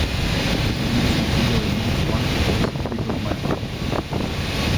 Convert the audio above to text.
El segundo sencillo de "Most Wanted" es ""Beat of My Heart"".